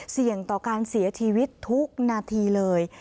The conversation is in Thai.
เสี่ยงต่อการเสียชีวิตทุกนาทีเลย